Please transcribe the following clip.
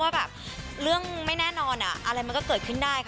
แบบเรื่องไม่แน่นอนอะไรมันก็เกิดขึ้นได้ค่ะ